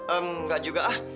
enggak juga ah